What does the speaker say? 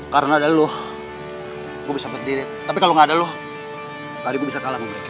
karena ada lo gua bisa berdirit tapi kalau gak ada lo tadi gua bisa kalah sama mereka